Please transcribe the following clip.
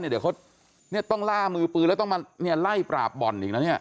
เดี๋ยวเขาต้องล่ามือปืนแล้วต้องมาไล่ปราบบ่อนอีกนะเนี่ย